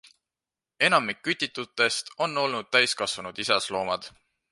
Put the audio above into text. Enamik kütitutest on olnud täiskasvanud isasloomad.